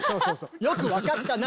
よく分かったな！